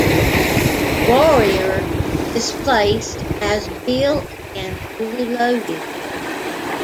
"Warrior" displaced as built and fully loaded.